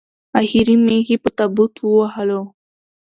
اخري مېخ یې په تابوت ووهلو